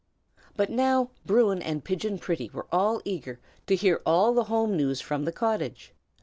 But now Bruin and Pigeon Pretty were eager to hear all the home news from the cottage.